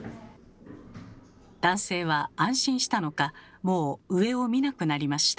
男性は安心したのかもう上を見なくなりました。